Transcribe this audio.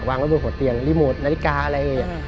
วางไว้บนหัวเตียงรีโมทนาฬิกาอะไรอย่างนี้